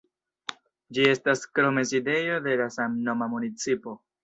Ĝi estas krome sidejo de la samnoma municipo.